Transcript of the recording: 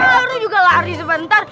lalu juga lari sebentar